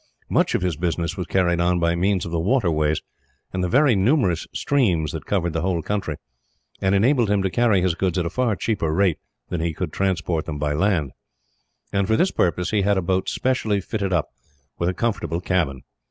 Much of his business was carried on by means of the waterways, and the very numerous streams that covered the whole country, and enabled him to carry his goods at a far cheaper rate than he could transport them by land; and for this purpose he had a boat specially fitted up with a comfortable cabin.